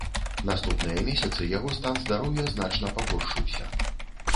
Наступныя месяцы яго стан здароўя значна пагоршыўся.